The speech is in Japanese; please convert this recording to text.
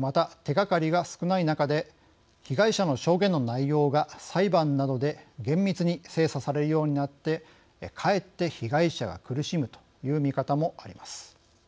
また、手がかりが少ない中で被害者の証言の内容が裁判などで厳密に精査されるようになってかえって被害者が苦しむという見方もあります。